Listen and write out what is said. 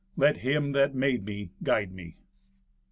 Let Him that made me guide me."